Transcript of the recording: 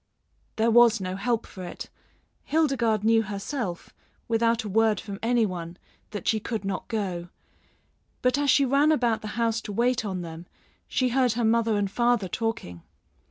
There was no help for it. Hildegarde knew herself, without a word from any one, that she could not go; but as she ran about the house to wait on them, she heard her mother and father talking.